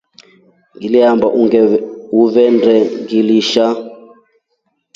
Ngiliemba umvende ngiliisha.